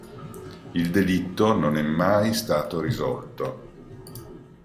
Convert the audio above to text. Il delitto non è mai stato risolto.